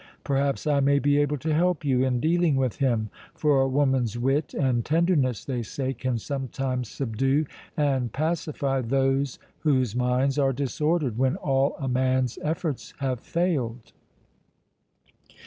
Perhaps I may be able to help you in dealing with him, for a woman's wit and tenderness, they say, can sometimes subdue and pacify those whose minds are disordered when all a man's efforts have failed."